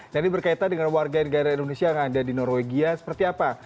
dan ini berkaitan dengan warga negara indonesia yang ada di norwegia seperti apa